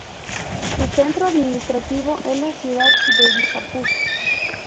Su centro administrativo es la ciudad de Bijapur.